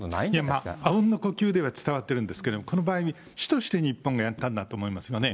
あうんの呼吸では伝わってるんですけれども、この場合に、主として日本がやったんだと思いますね。